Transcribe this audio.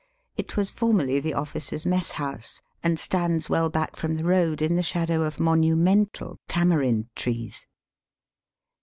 It was formerly the officers' messhouse, and stands well back from the road in the shadow of monumental tamarind trees.